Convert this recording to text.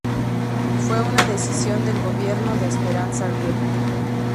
Fue una decisión del gobierno de Esperanza Aguirre.